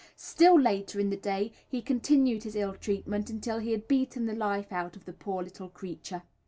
Still later in the day he continued his ill treatment until he had beaten the life out of the poor little creature.